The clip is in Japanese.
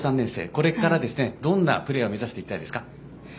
これからどんなプレーヤーを目指していきたいですか？